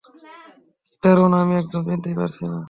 কি দারুন, আমি একদম চিনতেই পারছি না।